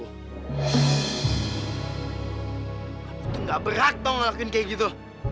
kamu tuh gak berat dong ngelakuin kayak gitu